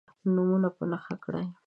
نومونه په نښه کړئ.